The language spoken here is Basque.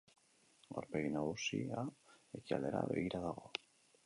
Aurpegi nagusia ekialdera begira dago.